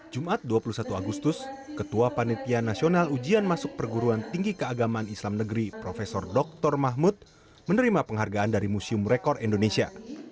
jumat dua puluh satu agustus ketua panitia nasional ujian masuk perguruan tinggi keagamaan islam negeri prof dr mahmud menerima penghargaan dari museum rekor indonesia